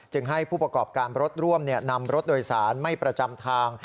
ให้ผู้ประกอบการรถร่วมนำรถโดยสารไม่ประจำทาง